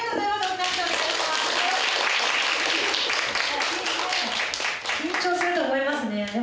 緊張すると思いますね。